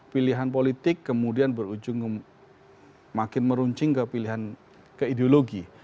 pilihan politik kemudian berujung makin meruncing ke ideologi